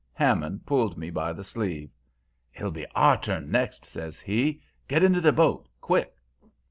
Hammond pulled me by the sleeve. "'It'll be our turn next,' says he; 'get into the boat! Quick!'